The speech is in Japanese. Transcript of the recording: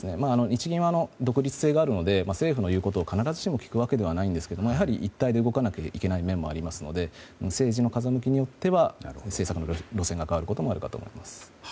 日銀は独立性があるので政府の言うことを必ずしも聞くわけではないですがやはり一体で動かなければいけない面もありますので政治の風向きによっては政策の路線が変わることもあるかと思います。